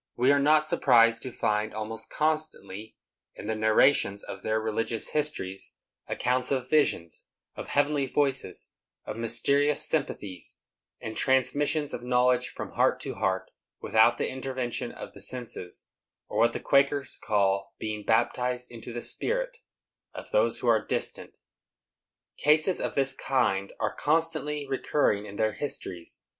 We are not surprised to find almost constantly, in the narrations of their religious histories, accounts of visions, of heavenly voices, of mysterious sympathies and transmissions of knowledge from heart to heart without the intervention of the senses, or what the Quakers call being "baptized into the spirit" of those who are distant. Cases of this kind are constantly recurring in their histories.